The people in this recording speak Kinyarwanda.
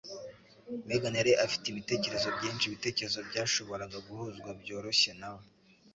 Megan yari afite ibitekerezo byinshi - ibitekerezo byashoboraga guhuzwa byoroshye na we.